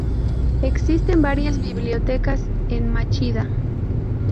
Existen varias bibliotecas en Machida.